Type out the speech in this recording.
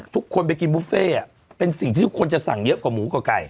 ทุกคนไปกินบุฟเฟ่เป็นสิ่งที่ทุกคนจะสั่งเยอะกว่าหมูกว่าไก่